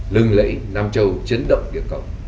lưng lẫy nam châu chấn động địa cầu